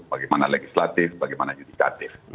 bagaimana legislatif bagaimana yudikatif